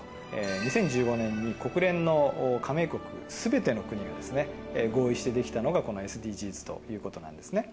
２０１５年に、国連の加盟国すべての国が合意して出来たのが、このＳＤＧｓということなんですね。